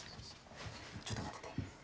ちょっと待ってて。